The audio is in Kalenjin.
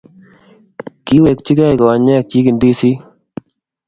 Kiwekchikei konyekchi ndisik